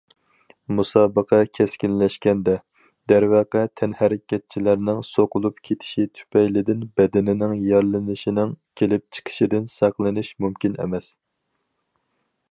مۇسابىقە كەسكىنلەشكەندە، دەرۋەقە تەنھەرىكەتچىلەرنىڭ سوقۇلۇپ كېتىشى تۈپەيلىدىن بەدىنىنىڭ يارىلىنىشىنىڭ كېلىپ چىقىشىدىن ساقلىنىش مۇمكىن ئەمەس.